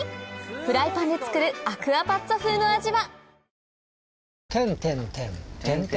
フライパンで作るアクアパッツァ風の味は？